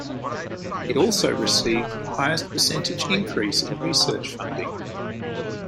It also received highest percentage increase in research funding.